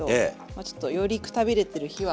あちょっとよりくたびれてる日はもう。